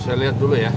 saya lihat dulu ya